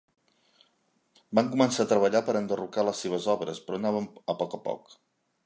Van començar a treballar per enderrocar les seves obres, però anaven a poc a poc.